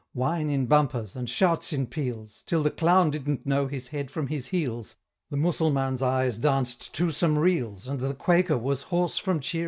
Wine in bumpers! and shouts in peals! Till the Clown didn't know his head from his heels, The Mussulman's eyes danced two some reels, And the Quaker was hoarse from cheering!